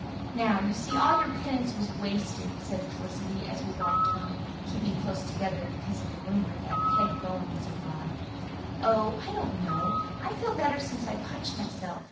"Now you see all your penance was wasted," said Felicity, as we walked home, keeping close together because of the rumour that Peg Bowen was abroad. "Oh, I don't know. I feel better since I punished myself.